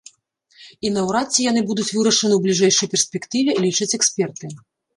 І наўрад ці яны будуць вырашаны ў бліжэйшай перспектыве, лічаць эксперты.